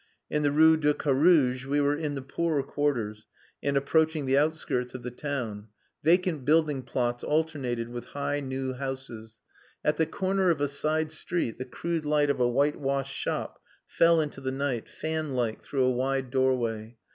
In the Rue de Carouge we were in the poorer quarters and approaching the outskirts of the town. Vacant building plots alternated with high, new houses. At the corner of a side street the crude light of a whitewashed shop fell into the night, fan like, through a wide doorway.